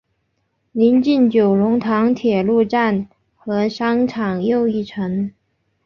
邻近九龙塘铁路站和商场又一城。